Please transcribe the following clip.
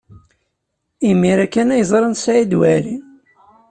Imir-a kan ay ẓran Saɛid Waɛli.